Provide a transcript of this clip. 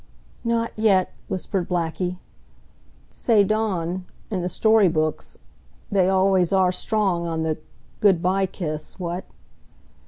"Not yet," whispered Blackie. "Say Dawn in the story books they always are strong on the good by kiss, what?"